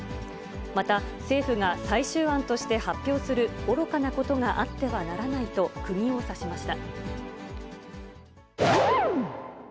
また政府が最終案として発表する愚かなことがあってはならないと、くぎを刺しました。